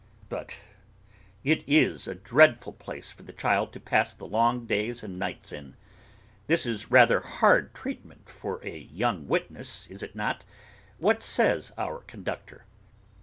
But it is a dreadful place for the child to pass the long days and nights in. This is rather hard treatment for a young witness, is it not?—What says our conductor?